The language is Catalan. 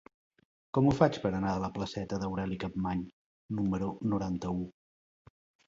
Com ho faig per anar a la placeta d'Aureli Capmany número noranta-u?